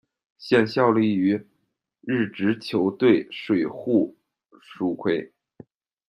现效力于日职球队水户蜀葵。